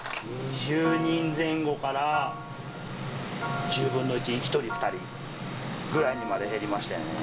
２０人前後から１０分の１、１人、２人ぐらいにまで減りましたよね。